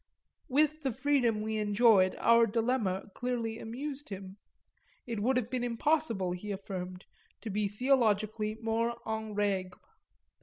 With the freedom we enjoyed our dilemma clearly amused him: it would have been impossible, he affirmed, to be theologically more en règle.